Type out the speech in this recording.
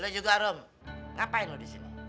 lo juga rum ngapain lo di sini